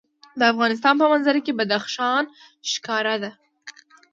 د افغانستان په منظره کې بدخشان ښکاره ده.